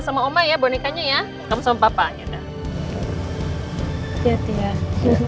sudah aku boot up apa aja sih aku